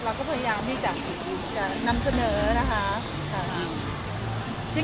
เราก็พยายามที่จะนำเสนอนะคะ